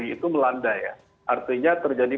itu melanda ya artinya terjadi